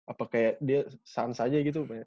apa kayak dia suns aja gitu